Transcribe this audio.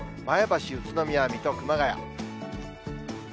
前橋、宇都宮、水戸、熊谷。